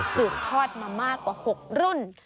สืบทอดมามากกว่า๖รุ่น